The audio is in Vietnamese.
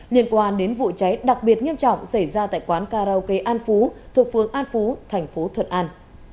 liên quan đến vụ cháy đặc biệt nghiêm trọng xảy ra tại quán karaoke an phú thuộc phương an phú thành phố thuận an